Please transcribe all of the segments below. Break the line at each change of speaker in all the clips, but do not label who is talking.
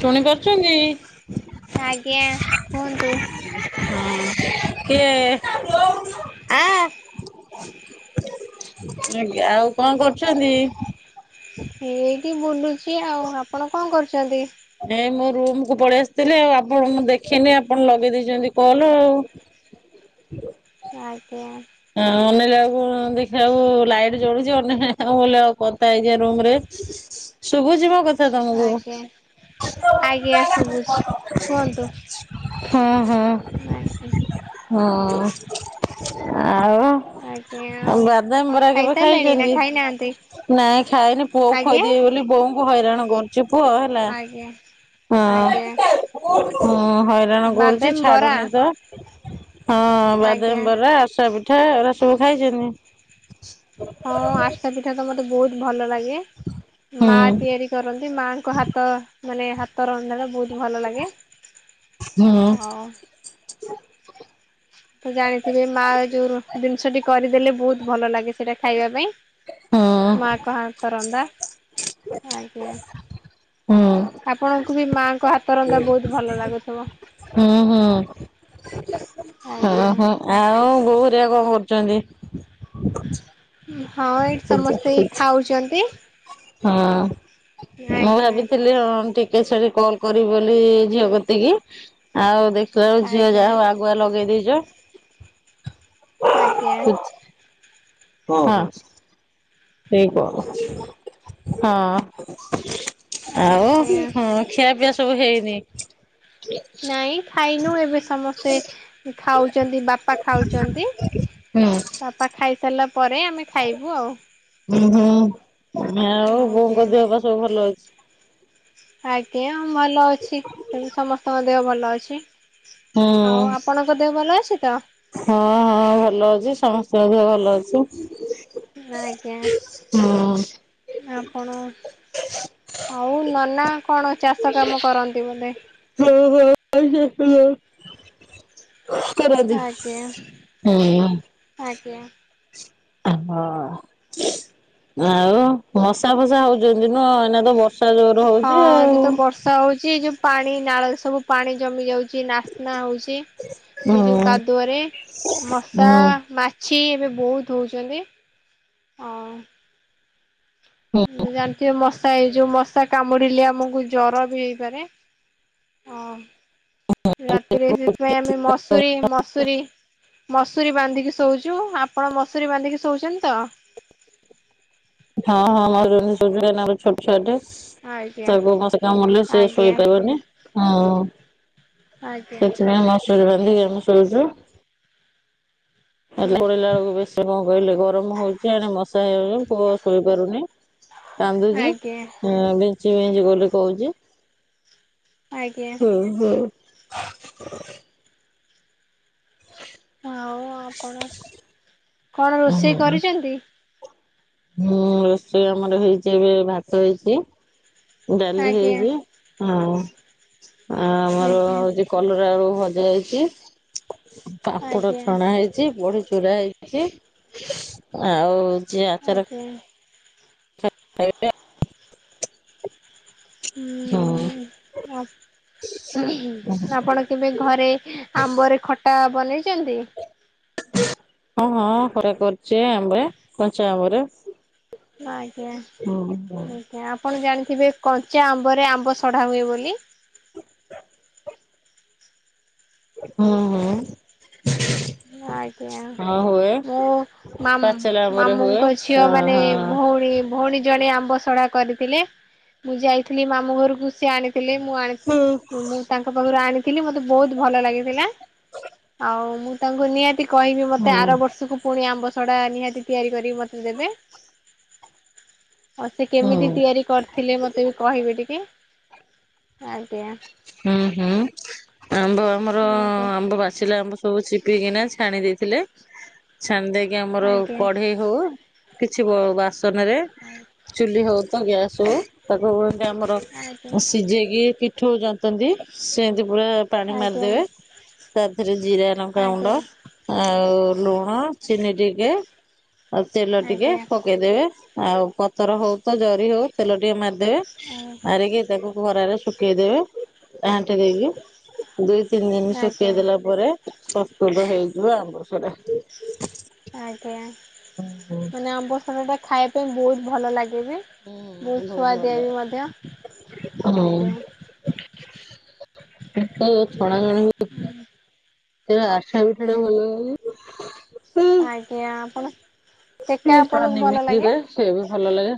ଶୁଣି ପାରୁଛନ୍ତି?
ଆଜ୍ଞା କୁହନ୍ତୁ?
ହଁ କିଏ ଆ ଆଜ୍ଞା, ଆଉ କଣ କରୁଛନ୍ତି?
ଏଇଠି ବୁଲୁଛି ଆଉ, ଆପଣ କଣ କରୁଛନ୍ତି?
ଏଇ ମୋ ରୁମ କୁ ପଳେଇ ଆସିଥିଲି ଆଉ, ଆପଣଙ୍କୁ ମୁଁ ଦେଖିନି ଆପଣ ଲଗେଇ ଦେଇଛନ୍ତି କଲ ଆଉ। ହ [unintelligible]
ଆଜ୍ଞା
ହଁ ଅନେଇଲା ବେଳକୁ [unintelligible] ଦେଖିଲା ବେଳକୁ ଲାଇଟ ଜଳୁଛି ଅନେକ ଆଉ କଥା ହେଇଯିବା ରୁମ ରେ ଶୁଭୁଛି ମୋ କ [unintelligible] ଥା ତମକୁ।
ଆଜ୍ଞା ଆଜ୍ଞା ଶୁଭୁଛି
ହଁ ହଁ।
ନାଇଁ।
ହଁ।
ଆଜ୍ଞା ଆଉ
ବାଦାମ
କଣ
ବରା କେବେ
ଖାଇସାରିଲେଣି ନା
ଖାଇଛନ୍ତି?
ଖାଇନାହାନ୍ତି।
ନାଇଁ ଖାଇନି ପୁଅକୁ
ଆଜ୍ଞା
ଖୁଆଇଦେବି ବୋଲି ବୋଉଙ୍କୁ ହଇରାଣ କରୁଛି ପୁଅ ହେଲା।
ଆଜ୍ଞା।
ହଁ
ଆଜ୍ଞା
ହଁ ହଇରାଣ
ବାଦାମ
କରୁଛି
ବରା
ଛାଡୁନି ତ। ହଁ
ଆଜ୍ଞା
ବାଦାମବରା ଆରସା ପିଠା ଏଗୁରା ସବୁ ଖାଇଛନ୍ତି।
ହଁ ଆରସା ପିଠା ତ ମତେ ବହୁତ ଭଲ ଲାଗେ,
ହୁଁ
ମା ତିଆରି କରନ୍ତି ମାଆଙ୍କ ହାତ ମାନେ ହାତ ରନ୍ଧା ଟା ବହୁତ ଭଲ ଲାଗେ,
ହୁଁ
ଆଉ ତ ଜାଣିଥିବେ ମା ଯୋଉ ଜିନିଷଟି କରିଦେଲେ ବହୁତ ଭଲ ଲାଗେ ସେଇଟା ଖାଇବା ପାଇଁ।
ହୁଁ
ମା ଙ୍କ ହାତ ରନ୍ଧା, ଆଜ୍ଞା।
ହୁଁ।
ଆପଣଙ୍କୁ ବି ମାଆଙ୍କ ହାତ ରନ୍ଧା ବହୁତ ଭଲ ଲାଗୁଥିବ।
ଓ
ଆଜ୍ଞା।
ହୋ ଆଉ ବୋଉ ହେରିକା କଣ କରୁଛନ୍ତି?
ହଁ ଏଇଠି ସମସ୍ତେ
କରୁଛନ୍ତି?
ଖାଉଛନ୍ତି।
ହଁ ମୁଁ
ଆଜ୍ଞା
ଭାବିଥିଲି ହଁ ଟିକେ ଛାଡ଼ି କଲ୍ କରିବି ବୋଲି ଝିଅ କତିକି, ଆଉ ଦେଖ ତୁ ଝିଅ
ଆଜ୍ଞା।
ଯାହା ହଉ ଆଗୁଆ ଲଗେଇ ଦେଇଛ।
ଆଜ୍ଞା।
ହଁ। ସେଇ କହ ହଁ ଆଉ
ଆଜ୍ଞା
ହଁ ଖିଆ ପିଆ ସବୁ ହେଇନି?
ନାଇଁ ଖାଇନୁ ଏବେ ସମସ୍ତେ ଖାଉଛନ୍ତି ବାପା ଖାଉଛନ୍ତି।
ହୁଁ।
ବାପା ଖାଇସାରିଲା ପରେ ଆମେ ଖାଇବୁ ଆଉ।
ହୁଁ ହୁଁ ଆଉ
ଆଜ୍ଞା
ବୋଉଙ୍କ ଦେହ ପା ସବୁ ଭଲ ଅଛି?
ଆଜ୍ଞା ଭଲ ଅଛି, ସମସ୍ତଙ୍କ ଦେହ ଭଲ ଅଛି।
ହୁଁ
ଆଉ ଆପଣଙ୍କ ଦେହ ଭଲ ଅଛି ତ?
ହଁ ହଁ ଭଲ ଅଛି, ସମସ୍ତଙ୍କ ଦେହ ଭଲ ଅଛି।
ଆଜ୍ଞା,
ହୁଁ।
ଆପଣ ଆଉ ନନା କଣ ଚାଷ କାମ କରନ୍ତି ବୋଧେ?
[unintelligible]
ଆଜ୍ଞା।
ହୁଁ।
ଆଜ୍ଞା।
ହଁ ଆଉ ମସା ଫସା ହଉଛନ୍ତିି ନୁହଁ ଏଇନା ତ ବର୍ଷ ବର୍ଷା ଜୋର ହଉଛି
ହଁ ଏବେ
ଆଉ।
ତ ବର୍ଷା ହଉଛି ଏ ଯୋଉ ପାଣି ନାଳରେ ସବୁ ପାଣି ଜମି ଯାଉଛି ନାସ୍ନା ହଉଛି
ହୁଁ
ଏ ଯୋଉ
ହୁଁ
କାଦୁଅରେ,
ହୁଁ
ମଶା ମା ଛି ଏବେ ବହୁତ ହଉଛନ୍ତି ଆ ମୁଁ ଜାଣିଥିବେ ମ ମଶା ଏଇ ଯୋଉ ମଶା କାମୁଡିଲେ ଆମକୁ ଜର ବି ହେଇପାରେ, ଅ ରାତିରେ ସେଥିପାଇଁ ଆମେ ମସୁରୀ, ମସୁରୀ, ମସୁରୀ ବାନ୍ଧିକି ଶୋ ଶୋଉଛୁ, ଆପଣ ମସୁରୀ ବାନ୍ଧିକି ଶୋଉଛନ୍ତି ତ?
ହଁ ହଁ ମସୁରୀ ବାନ୍ଧିକି ଶୋଉଚୁ କାଇଁ ନା ଆମର ଛୋଟ ଛୁଆଟେ।
ଆଜ୍ଞା
ତାକୁ ମଶା କାମୁଡିଲେ ସେ
ଆଜ୍ଞା
ଶୋଇପାରିବନି, ହଁ।
ଆଜ୍ଞା।
ସେଥିପାଇଁ ମସୁରୀ ବାନ୍ଧିକି ଆମ ସୋଉଛୁ। ଆଖି ଖୋଲିଲା ବେଳକୁ ବେଶୀ କଣ କହିଲେ ଗରମ ହଉଛି ଆଣି ମଶା ହେଇଯନ ପୁଅ ଶୋଇପାରୁନି। କାନ୍ଦୁଛି।
ଆଜ୍ଞା
ହଁ ବଞ୍ଚି ବିଞ୍ଚି ବୋଲି କହୁଛି,
ଆଜ୍ଞା
ହ ହୁଁ।
ଆଉ ଆପଣ କଣ ରୋଷେଇ କରିଚନ୍ତି?
ମୁଁ ରୋଷେଇ ଆମର ହେଇଚି ଏବେ ଭାତ ହେଇଚି ଡାଲି
ଆଜ୍ଞା
ହେଇଚି ହଁ ଆ ଆମର
ଆଜ୍ଞା
ହଉଚି କଲରା ଆଳୁ ଭଜା ହେଇଚି ପାମ୍ପଡ
ଆଜ୍ଞା
ଛଣା ହେଇ ଚି ବଢି ଚୁରା ହେଇଚି ଆଉ ଆଚାର
ଆଜ୍ଞା।
[unintelligible] ହଁ।
ହୁଁ ଆପ୍ ଆପଣ କେବେ ଘରେ ଆମ୍ବରେ ଖଟା ବନେଇଚନ୍ତି?
ହଁ ହଁ ଘରେ କରଚେ ଆମ୍ବ କଞ୍ଚା ଆମ୍ବରେ।
ଆଜ୍ଞା
ହୁଁ ହୁଁ
ଆଜ୍ଞା ଆପଣ ଜାଣିଥିବେ କଞ୍ଚା ଆମ୍ବରେ ଆମ୍ବସଢା ହୁଏ ବୋଲି।
ହଁ ହଁ।
ଆଜ୍ଞା
ହୁଏ
ମୁଁ ମାମ୍
ପାଚେଲା ଆମ୍ବରେ ହୁଏ।
ମାମୁଙ୍କ ଝିଅ
ହଁ
ମାନେ
ହଁ।
ଭଉଣୀ ଭଉଣୀ ଜଣେ ଆମ୍ବ ସଢା କରିଥିଲେ। ମୁଁ ଯାଇଥିଲି ମାମୁଁ ଘରକୁ ସେ ଆଣିଥିଲେ। ମୁଁ ଆଣି
ହୁଁ।
ମୁଁ ମୁଁ ତାଙ୍କ ପାଖୁରୁ ଆଣିଥିଲି ମତେ ବୋହୁତ ଭଲ ଲାଗିଥିଲା ଆଉ ମୁଁ ତାଙ୍କୁ ନିଆତି କହିବି ମତେ ଆର ବର୍ଷୁକୁ ପୁଣି ଆମ୍ବସଡା ନିହାତି ତିଆରି କରିକି ମତେ ଦେବେ। ଆଉ ସେ
ହୁଁ
କେମିତି
ହୁଁ।
ତିଆରି କରିଥିଲେ ମତେ ବି କହିବେ ଟିକେ। ଆଜ୍ଞା।
ହୁଁ ହୁଁ ଆମ୍ବ ଆମର
ଆଜ୍ଞା
ଆମ୍ବ ପାଚିଲା ଆମ୍ବ ସବୁ ଚି ପି କିନା ଛାଣି ଦେଇଥିଲେ। ଛାଣି ଦେଇକି ଆମର
ଆଜ୍ଞା
କଢେଇ ହଉ କିଛି ବ ବାସନେରେ ଚୁଲି ହଉ ତ ଗ୍ୟାସ ହଉ ତାକୁ [unintelligible] ଆମର
ଆଜ୍ଞା
ଉଁ ସିଜେଇକି ପିଠଉ ଜନ୍ତ୍ ତନ୍ତି ସେନ୍ତି ପୁରା ପାଣି
ଆଜ୍ଞା
ମାରିଦେବେ
ଆଜ୍ଞା
ତାଧେରେ ଜିରା ଲଙ୍କା ଗୁଣ୍ଡା ଆଉ ଲୁଣ ଚିନି ଟିକେ ଆଉ ତେଲ ଟିକେ
ଆଜ୍ଞା
ପକେଇଦେବେ। ଆଉ ପତର ହଉ ତ ଜରି ହଉ ତେଲ ଟିକେ ମାରିଦେବେ ମାରିକି ତାକୁ ଖରାରେ ଶୁକେଇଦେବେ ଘାଣ୍ଟି ଦେଇକି ଦୁଇ ତିନ ଦିନ
ଆଜ୍ଞା
ଶୁକେଇ
ଆଜ୍ଞା
ଦେଲା ପରେ ପ୍ରସ୍ତୁତ ହେଇଯିବ ଆମ୍ବସଡା।
ଆଜ୍ଞା
ଓହୋ।
ମାନେ ଆମ୍ବସଡାଟା ଖାଇଆ ପାଇଁ ବୋଉତ ଭଲ ଲାଗେ ନା।
ହୁଁ
ବୋହୁତ
ବହୁତ ଭଲ
ସୁଆଦିଆ ବି
ଲାଗେ।
ମଧ୍ୟ।
ହଁ
ଆଜ୍ଞା।
[unintelligible]
[inaudible]
[unintelligible] ଆଶା [unintelligible]
ଆଜ୍ଞା ଆପଣ ସେକା
ସେ
ଆପଣଙ୍କୁ ଭଲ ଲାଗେ?
କାମିନିରେ ସେ ବି ଭଲ ଲାଗେ।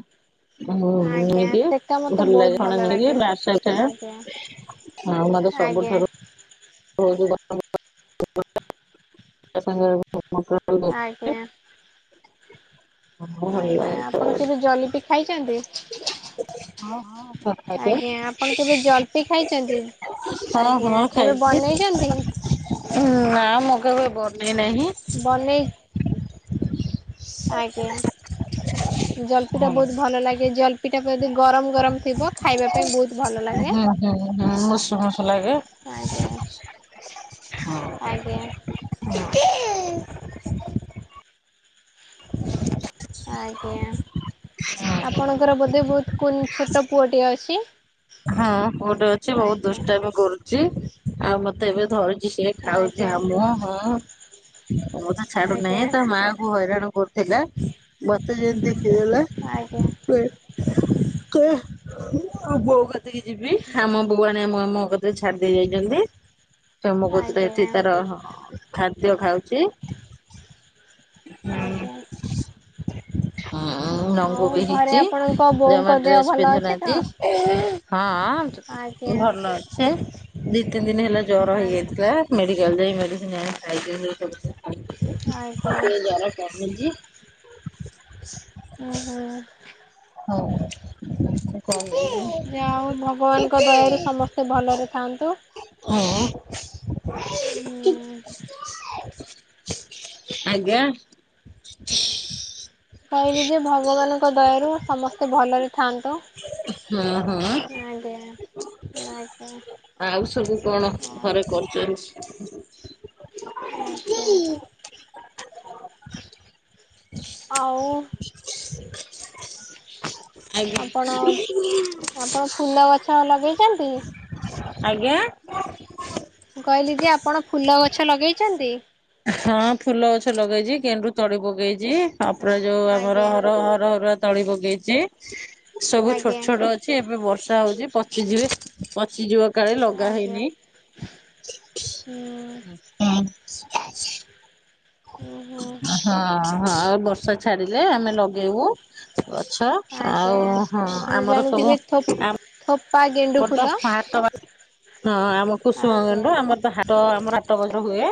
ମୋ
ଆଜ୍ଞା
ବୋହୂଟେ
ସେକା ମତେ
ଭଲ
ବହୁତ
ଲାଗ କଣ ଟିକେ
ଲାଗେ।
[unintelligible]
ଆଜ୍ଞା
ଥିଲା। ହଁ ମତେ
ଆଜ୍ଞା
ସବୁଠାରୁ [unintelligible]
ଆଜ୍ଞା
[unintelligible] ତରକାରୀ
ଆଜ୍ଞା
ଭଲ ଲାଗେ ସବୁ।
ଆପଣ କେବେ ଜଲିପି ଖାଇଚନ୍ତି?
ହଁ ହଁ। ତ ଖାଇଛ?
ଆଜ୍ଞା ଆପଣ କେବେ ଜଲପି ଖାଇଚନ୍ତି?
ହଁ
ଆଜ୍ଞା
ହଁ
କେବେ
ଖାଇଛି
ବନେଇଚନ୍ତି?
ନା ମୁଁ କେବେ ବନେଇ ନାହିଁ।
ବନେଇ ଆଜ୍ଞା।
ହୁଁ
ଜଲପିଟା ବୋହୁତ ଭଲ ଲାଗେ ଜଲପିଟା ଯଦି ଗରମ ଗରମ ଥିବ ଖାଇବା ପାଇଁ ବୋହୁତ ଭଲ ଲାଗେ।
ହୁଁ ହୁଁ ମୁସୁ ମୁସୁ ଲାଗେ।
ଆଜ୍ଞା। ଆଜ୍ଞା।
[inaudible] [inaudible]
ଆଜ୍ଞା ଆପଣଙ୍କର ବୋଧେ ବୋହୁତ କୁନ୍ ଛୋଟ ପୁଅଟିଏ ଅଛି।
ହଁ ଗୋଟେ ଅଛି, ବହୁତ
ଆଜ୍ଞା
ଦୁଷ୍ଟାମି କରୁଛି। ଆଉ ମତେ ଏବେ ଧରିଛି ସେ ଖାଉଛି
ଆଜ୍ଞା
ହାମୁ, ହଁ ମୁଁ ତ
ଆଜ୍ଞା
ଛାଡୁନାହିଁ, ତା ମାଆକୁ ହଇରାଣ କରୁଥିଲା ମତେ ଯେମତି ଦେଖିଦେଲା
[inaudible]
ତ ଆଉ ବୋଉ କତିକି ଯିବି ଆମ ପୁଆଣ ଆମ ମୋ କତରେ ଛାଡି ଦେଇ ଯାଇଛନ୍ତି, ତ ମୋ କରେ ଏଠି
ଆଜ୍ଞା।
ତାର ଖାଦ୍ୟ ଖାଉଛି
ଆଜ୍ଞା। ଆଉ
ଲଙ୍ଗୁ ବିି
ଘରେ
ହେଇଛି।
ଆପଣଙ୍କ ବୋଉଙ୍କ
ଜମା
ଦେହ
ଡ୍ରେସ
ଭଲ ଅଛି ତ?
ପିନ୍ଧୁନାହାନ୍ତି ହଁ
ଆଜ୍ଞା
ଭଲ ଅଛେ, ଦି ତିନି ଦିନ ହେଲା, ଜ୍ୱର
ଆଜ୍ଞା
ହେଇଯାଇଥିଲା। ମେଡିିକାଲ ଯାଇ ମେଡିସିନ ଖାଇ। ଏବେ
ଆଜ୍ଞା
ଟିକେ ଜର କମିଛି।
ଓହୋ [inaudible]
ହଉ। କଣ?
ଯ ଆଉ ଭଗବାନଙ୍କ ଦୟାରୁ ସମସ୍ତେ ଭଲରେ ଥାଆନ୍ତୁ। ହୁଁ।
[inaudible] ଆଜ୍ଞା।
କହିଲି ଯେ, ଭଗବାନଙ୍କ ଦୟାରୁ ସମସ୍ତେ ଭଲରେ ଥାନ୍ତୁ।
ହୁଁ ହୁଁ।
ଆଜ୍ଞା
ଆଉ ସବୁ କଣ
ଆ
ଘରେ କରୁଛନ୍ତି?
ଆଜ୍ଞା। ଆଉ।
ଆଜ୍ଞା
ଆପଣ ଆପଣ ଫୁଲ ଗଛ ଲଗେଇଛନ୍ତି?
ଆଜ୍ଞା।
କହିଲି ଯେ ଆପଣ ଫୁଲ ଗଛ ଲଗେଇଛନ୍ତି?
ହଁ ଫୁଲ ଗଛ ଲଗେଇଛି ଗେଣ୍ଡୁ ତଳି ପକେଇଛି। ତାପରୋ ଯୋଉ ଆମର
ଆଜ୍ଞା
ହର ହର ହରୁଆ ତଳି ପଗେଇଛି। ସବୁ ଛୋଟ
ଆଜ୍ଞା
ଛୋଟ ଚି ଏବେ ବର୍ଷା ହଉଛି ପଚିଯିବେ। ପଚିଯିବ କାଳେ ଲଗା
ଆଜ୍ଞା
ହେଇନି।
ହୁଁ
[inaudible]
ହୁଁ ହୁଁ।
ହଁ ହଁ ଆଉ ବର୍ଷା ଛାଡିଲେ ଆମେ ଲଗେଇବୁ। ଅଛ
ଆଜ୍ଞା
ଆଉ ହଁ
ଆପଣ
ଆମର
ଜାଣିଥିବେ
ସବୁ
ଥୋ [unintelligible]
[inaudible] ହଁ ଆମ କୁସୁମ
ଆଜ୍ଞା
ଗଣ୍ଡୁ, ଆମର ତ ହାଟ, ଆମର ହାଟ ଗଛ ହୁଏ।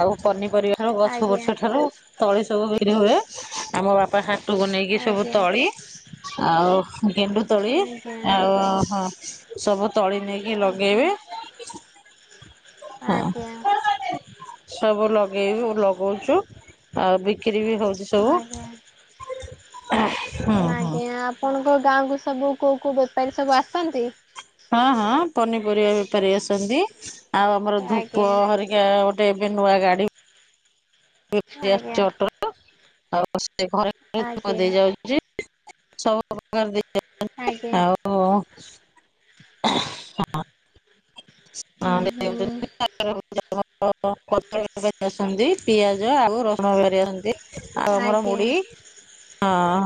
ଆଉ ପନିପରିବା ଠାରୁ ଗଛ
ଆଜ୍ଞା
ବଛ ଠାରୁ ତଳି ସବୁ ବିରି ହୁଏ। ଆମ ବାପା ହା ଟୁକୁ ନେଇକି, ସବୁ
ଆଜ୍ଞା
ତୋଳି ଆଉ ଗେଣ୍ଡୁ ତଳି
ଆଜ୍ଞା
ଆଉ ହ ସବୁ ତଳି ନେଇକି
ଆଜ୍ଞା
ଲଗେଇବେ।
ଆଜ୍ଞା।
ହଁ। ସବୁ ଲଗେଇବ ଲଗଉଛୁ ଆଉ ବିକ୍ରି ବି ହଉଚି। ସବୁ ହୁଁ ହୁଁ।
ଆପଣ ଙ୍କ ଗାଁ କୁ ସବୁ କୋଉ କୋଉ ବେପାରୀ ସବୁ ଆସନ୍ତି?
ହଁ ହଁ ପନିପରିବା ବେପାରି ଆସନ୍ତି। ଆଉ ଆମର
ଆଜ୍ଞା
ଧୂପ ହରିକ ଆ ଗୋଟେ ଏବେ ନୂଆ ଗାଡି ଆସଛି
ଆଜ୍ଞା
ଅଟର, ଆଉ ସେ ଘରେ ଘରେ
ଆଜ୍ଞା
ଦେଇ ଯାଉଛି। ସବୁ ପ୍ରକାର ଦେଇ [unintelligible]
ଆଜ୍ଞା
ଆଉ।
ହୁଁ ହୁଁ
[unintelligible] ଆସନ୍ତି, ପିଆଜ ଆଉ ରସୁଣହାରି ଆସନ୍ତି, ଆଉ ଆମର
ଆଜ୍ଞା
ମୁଢି।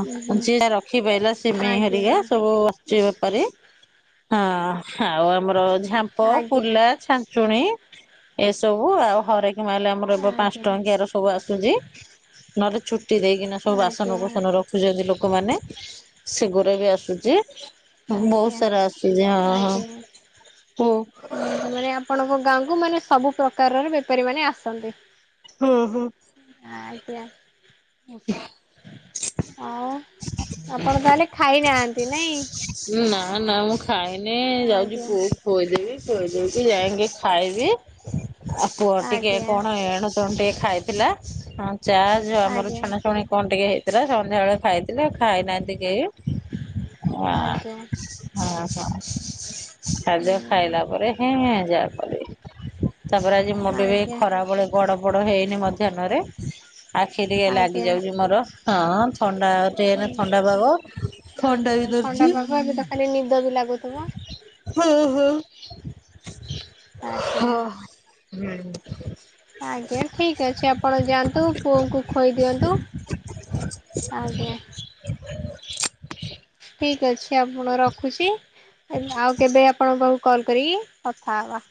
ହୁଁ ହୁଁ।
ଯିଏ ଯାହା ରଖି ପାଇଲା ସିମେଇ ହେରିକା
ଆଜ୍ଞା
ସବୁ [unintelligible] ପାରେ ହଁ। ଆଉ ଆମର ଝାମ୍ପ,
ଆଜ୍ଞା
କୁଲା, ଛାଞ୍ଚୁଣୀ ଏସବୁ ଆଉ ହରେକ ମାଲ ଆମର ରହିବ ପାଞ୍ଚ
ଆଜ୍ଞା
ଟଙ୍କିର ସବୁ ଆସୁଚି। ନହେଲେ ଛୁଟି ଦେଇକିନା ସବୁ
ଆଜ୍ଞା
ବାସନକୁସନ ରଖୁଚନ୍ତି ଲୋକୋମାନେ ସେଗୁରା ବି ଆସୁଚି। ବୋହୁତ
ଆଜ୍ଞା
ସାରା ଆସୁଚି ହଁ ହଁ
ଆଜ୍ଞା। ହୁଁ
ହୋଉ
ମାନେ ଆପଣଙ୍କ ଗାଁକୁ ମାନେ ସବୁ ପ୍ରକାରର ବେପାରୀ ମାନେ ଆସନ୍ତି।
ହୁଁ ହୁଁ।
ଆଜ୍ଞା।
[unintelligible]
ଆଉ ଆପଣ ତାହେଲେ ଖାଇନାହାନ୍ତି ନାଇଁ?
ଉଁ ନାଁ ନାଁ ମୁଁ ଖାଇନି ଯାଉଚି
ଆଜ୍ଞା।
ପୁଅ ଖୋଇଦେବି ଖୋଇଦେଇକି ଯାଇକି ଖାଇବି ଆ ପୁଅ ଟିକେ
ଆଜ୍ଞା
କଣ ଏଣୁ କଣ ଟିକେ ଖାଇଥିଲା ଅଁ ଚା ଯୋଉ ଆମର
ଆଜ୍ଞା
ଛଣାଛୁଣି କଣ ଟିକେ ହେଇଥିଲା ସନ୍ଧ୍ୟାବେଳେ ଖାଇଥିଲେ ଖାଇନାହାନ୍ତି କେହି। ହଁ
ଆଜ୍ଞା
ହଁ ହଁ ଖାଦ୍ୟ
ହୁଁ।
ଖାଇଲା ପରେ ହେଁ ଯାଉ କରିବି ତାପରେ ଆଜି ମୁଁ ବି ବି
ଆଜ୍ଞା
ଖରାବୋଳେ ଗଡ ପଡ ହେଇନି ମଧ୍ୟାହ୍ନରେ। ଆଖି ଟିକେ ଲାଗି
ଆଜ୍ଞା
ଯାଉଚି ମୋରୋ ହଁ ଥଣ୍ଡା ଟିକେ ଏଇନା
ହୁଁ
ଥଣ୍ଡା ପାଗ। ଥଣ୍ଡା
ଆଜ୍ଞା
ବି ଦର୍
ଥଣ୍ଡା ପାଗ ଏବେ ତ ଖାଲି ନିଦ ବି ଲାଗୁଥୁବ?
[unintelligible]
ଆଜ୍ଞା
ହୁଁ।
ଆଜ୍ଞା ଠିକ୍ ଅଛି ଆପଣ ଯାଆନ୍ତୁ ପୁଅଙ୍କୁ ଖୋଇଦିଅନ୍ତୁ। ଆଜ୍ଞା। ଠିକ ଅଛି ଆପଣ ରଖୁଛି ଆଉ କେବେ ଆପଣ ଣଙ୍କୁ କଲ୍ କରିକି କଥା ହବା।